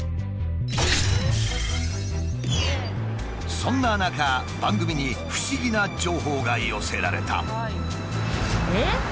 そんな中番組に不思議な情報が寄せられた。